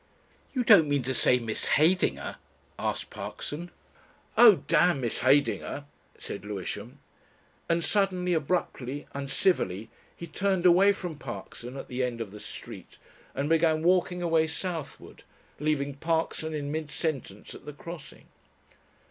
"You don't mean to say Miss Heydinger ?" asked Parkson. "Oh, damn Miss Heydinger!" said Lewisham, and suddenly, abruptly, uncivilly, he turned away from Parkson at the end of the street and began walking away southward, leaving Parkson in mid sentence at the crossing.